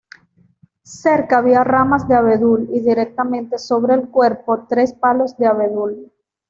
Cerca había ramas de abedul y directamente sobre el cuerpo tres palos de abedul.